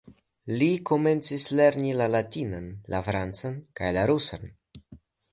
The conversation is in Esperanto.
Li komencis lerni la latinan, la francan kaj la rusan.